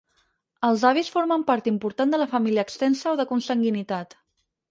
Els avis formen part important de la família extensa o de consanguinitat.